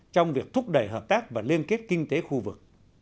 trong việc thúc đẩy hợp tác và liên kết kinh tế khu vực